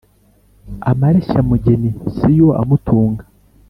Amareshya mugeni siyo amutunga.